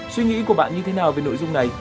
suy nghĩ của bạn như thế nào về nội dung này